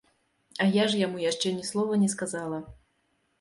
А я ж яму яшчэ ні слова не сказала.